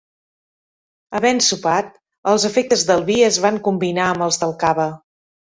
Havent sopat, els efectes del vi es van combinar amb els del cava.